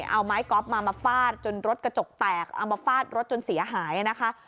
เอาไม้ก๊อฟมามาฟาดจนรถกระจกแตกเอามาฟาดรถจนเสียหายนะคะ